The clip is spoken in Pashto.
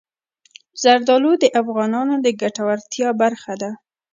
زردالو د افغانانو د ګټورتیا برخه ده.